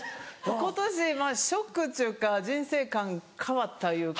今年まぁショックっちゅうか人生観変わったいうか。